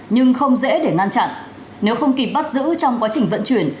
nhưng không dễ để ngăn chặn nếu không kịp bắt giữ trong quá trình vận chuyển